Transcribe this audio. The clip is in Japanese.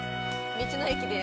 道の駅で。